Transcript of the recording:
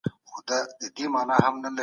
د ذمیانو حقونو ته پام وکړئ.